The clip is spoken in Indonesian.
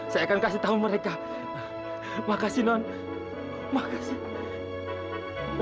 saya akan kasih tau mereka makasih nen makasih